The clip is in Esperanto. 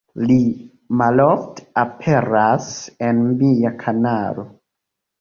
Li malofte aperas en mia kanalo